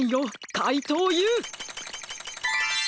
かいとうＵ！